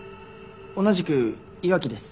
同じく岩城です。